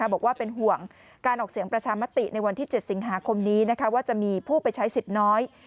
บอกว่าเป็นห่วงการออกเสียงประชามติในวันที่๗สิงหาคมนี้ว่าจะมีผู้ไปใช้สิทธิ์น้อย